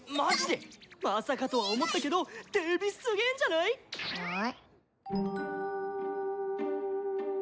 まさかとは思ったけどデビすげーんじゃない⁉うん？